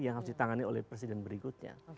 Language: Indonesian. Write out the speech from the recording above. yang harus ditangani oleh presiden berikutnya